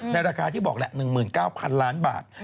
ในราคาที่บอก๑๙พันล้านบาท